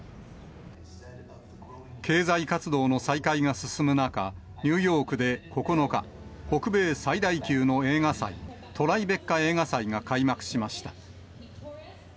経済活動の再開が進む中、ニューヨークで９日、北米最大級の映画祭、トライベッカ映画祭が開幕しました。